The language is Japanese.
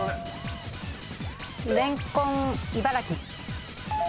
レンコン茨城。